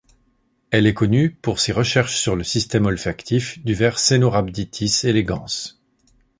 Elle est connue pour ses recherches sur le système olfactif du ver Caenorhabditis elegans.